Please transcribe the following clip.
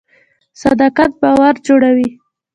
صداقت باور جوړوي